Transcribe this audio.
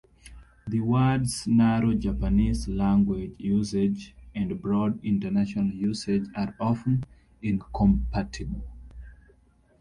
The word's narrow Japanese-language usage and broad international usage are often incompatible.